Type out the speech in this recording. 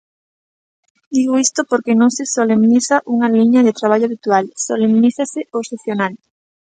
Digo isto porque non se solemniza unha liña de traballo habitual, solemnízase o excepcional.